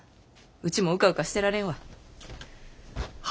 ウチもうかうかしてられんわ。